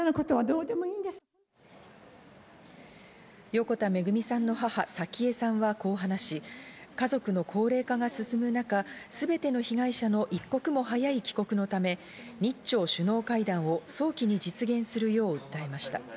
横田めぐみさんの母・早紀江さんは、こう話し、家族の高齢化が進む中、すべての被害者の一刻も早い帰国のため、日朝首脳会談を早期に実現するよう訴えました。